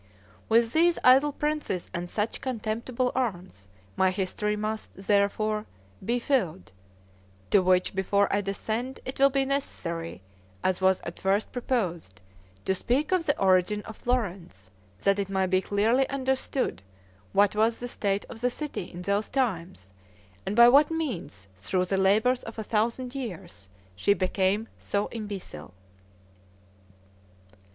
With these idle princes and such contemptible arms, my history must, therefore, be filled; to which, before I descend, it will be necessary, as was at first proposed, to speak of the origin of Florence, that it may be clearly understood what was the state of the city in those times, and by what means, through the labours of a thousand years, she became so imbecile.